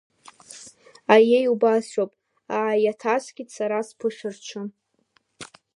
Аиеи, убасшәоуп, ааиаҭаскит сара, сԥышәырччо.